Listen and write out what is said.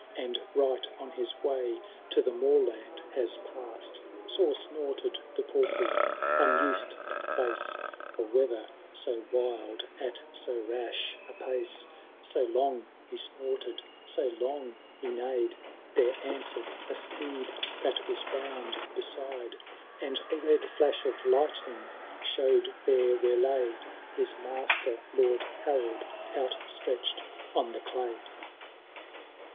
And right on his way to the moorland has passed. Sore snorted the palfrey, miused to face A weather so wild at so rash a pace ; So long he snorted, so loud he neighed. There answered a steed that was bound beside, And the red flash of lightning show'd there where lay His master. Lord Harold, outstretch^ on the clay.